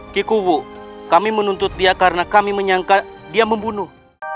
kikuu kami menuntut dia karena kami menyangka dia membunuh